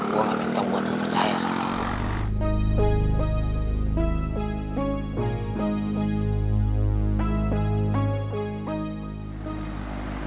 gue gak minta buat lo percaya sama gue